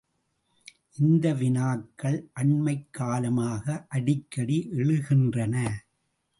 இந்த வினாக்கள் அண்மைக் காலமாக அடிக்கடி எழுகின்றன!